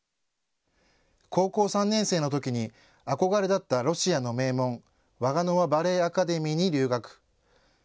高校３年生のときに憧れだったロシアの名門、ワガノワ・バレエ・アカデミーに留学。